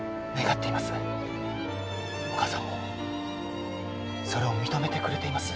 お母さんもそれを認めてくれています。